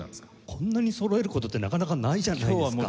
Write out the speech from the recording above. こんなにそろえる事ってなかなかないじゃないですか。